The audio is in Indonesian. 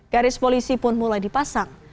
garis polisi pun mulai dipasang